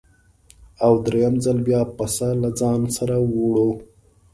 او درېیم ځل بیا پسه له ځانه سره وړو.